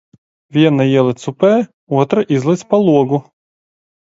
Viena ielec up?, otra izlec pa logu.